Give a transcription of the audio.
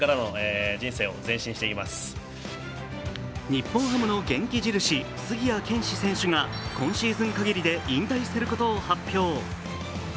日本ハムの元気印・杉谷拳士選手が今シーズンかぎりで引退することを発表。